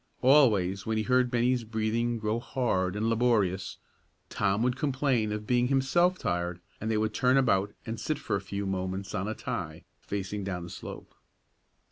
Always when he heard Bennie's breathing grow hard and laborious, Tom would complain of being himself tired, and they would turn about and sit for a few moments on a tie, facing down the slope.